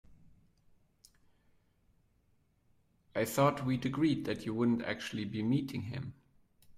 I thought we'd agreed that you wouldn't actually be meeting him?